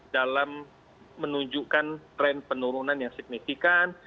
dalam menunjukkan tren penurunan yang signifikan